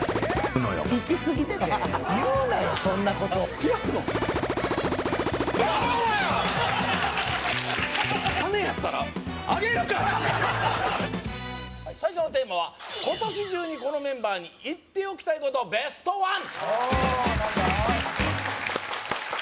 金やったらあげるから最初のテーマは今年中にこのメンバーに言っておきたいことベストワン！